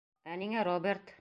Ә ниңә Роберт?